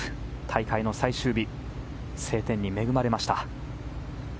大会の最終日晴天に恵まれました。